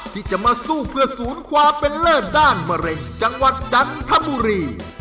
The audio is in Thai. ที่จะมาสู้เพื่อศูนย์ความเป็นเลิศด้านมะเร็งจังหวัดจันทบุรี